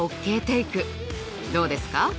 どうですか？